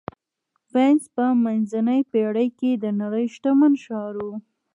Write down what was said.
وینز په منځنۍ پېړۍ کې د نړۍ شتمن ښار و